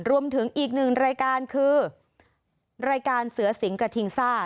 รวมถึงอีกหนึ่งรายการคือรายการเสือสิงกระทิงซ่า